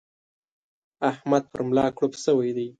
احمد پر ملا کړوپ شوی دی.